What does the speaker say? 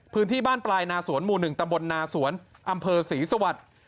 พื้นที่บ้านปลายนาสวนหมู่๑ตำบลนาสวนอำเภอศรีสวัสดิ์